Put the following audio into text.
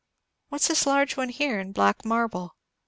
"What's this large one here, in black marble?"